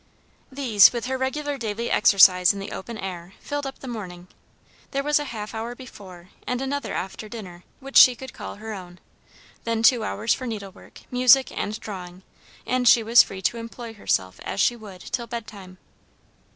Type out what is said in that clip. These, with her regular daily exercise in the open air, filled up the morning; there was a half hour before, and another after dinner, which she could call her own; then two hours for needlework, music, and drawing, and she was free to employ herself as she would till bed time.